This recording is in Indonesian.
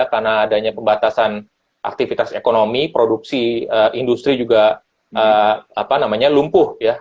karena adanya pembatasan aktivitas ekonomi produksi industri juga lumpuh ya